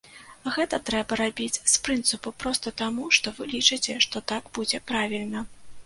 Гэта трэба рабіць з прынцыпу, проста таму, што вы лічыце, што так будзе правільна.